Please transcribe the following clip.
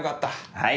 はい。